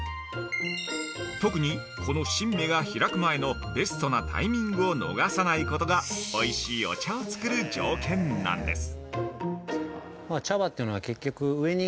特に、この芯芽が開く前のベストなタイミングを逃さないことがおいしいお茶を作る条件なんです。